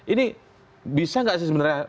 ini bisa nggak sih sebenarnya